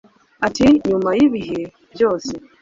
Ati: “Nyuma yibi bihe byose,